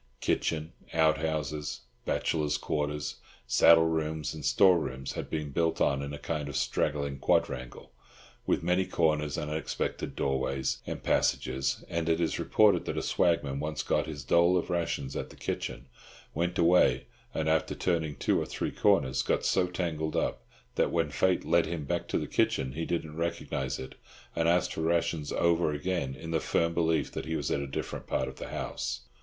Kitchen, outhouses, bachelors' quarters, saddle rooms, and store rooms had been built on in a kind of straggling quadrangle, with many corners and unexpected doorways and passages; and it is reported that a swagman once got his dole of rations at the kitchen, went away, and after turning two or three corners, got so tangled up that when Fate led him back to the kitchen he didn't recognise it, and asked for rations over again, in the firm belief that he was at a different part of the house.